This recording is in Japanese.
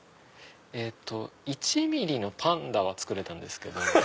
１ｍｍのパンダは作れたんですけど。